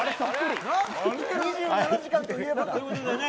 「２７時間」といえばだ。